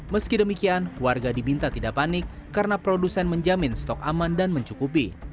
meski demikian warga diminta tidak panik karena produsen menjamin stok aman dan mencukupi